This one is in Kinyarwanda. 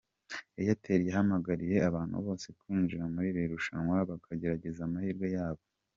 Airtel yahamagariye abantu bose kwinjira muri iri rushanwa bakagerageza amahirwe yabo.